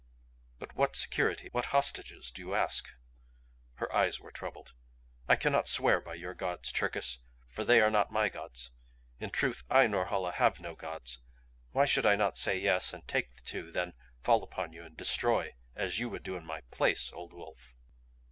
"But what security, what hostages, do you ask?" Her eyes were troubled. "I cannot swear by your gods, Cherkis, for they are not my gods in truth I, Norhala, have no gods. Why should I not say yes and take the two, then fall upon you and destroy as you would do in my place, old wolf?"